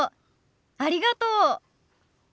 ありがとう。